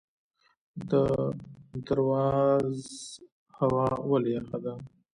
د درواز هوا ولې یخه ده؟